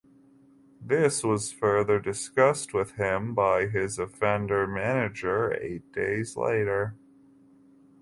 This was further discussed with him by his offender manager eight days later.